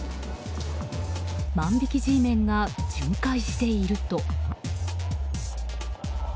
万引きＧメンが巡回していると。